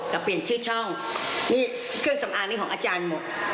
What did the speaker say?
แต่เปลี่ยนชื่อช่องนี่เครื่องสำอางนี่ของอาจารย์หมด